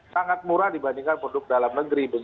sangat murah dibandingkan produk dalam negeri